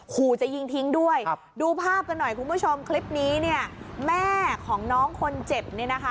ขู่จะยิงทิ้งด้วยดูภาพกันหน่อยคุณผู้ชมคลิปนี้เนี่ยแม่ของน้องคนเจ็บเนี่ยนะคะ